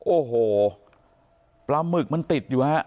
โอ้โหปลาหมึกมันติดอยู่ฮะ